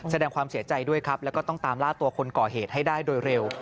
แสดงความเสียใจด้วยครับแล้วก็ต้องตามล่าตัวคนก่อเหตุให้ได้โดยเร็ว